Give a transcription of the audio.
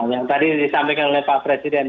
yang tadi disampaikan oleh pak presiden